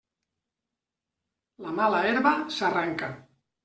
La mala herba s'arranca.